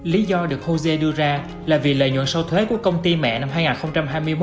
lý do được hồ sê đưa ra là vì lợi nhuận sâu thuế của công ty mẹ năm hai nghìn hai mươi một